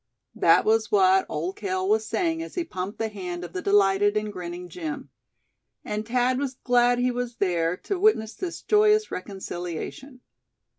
That was what Old Cale was saying as he pumped the hand of the delighted and grinning Jim. And Thad was glad he was there to witness this joyous reconciliation.